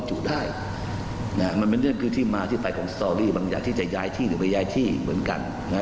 บรรดาพวกศิลปินแคร์เกินเท่าไหร่ก็จะไป๓วันนั้นส่วนใหญ่แต่พอวันที่๑๔จะเป็นภายใน